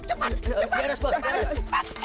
tidak ada bos tidak ada